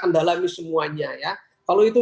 kalau itu yang tidak kita ketemukan ya apa yang kita lakukan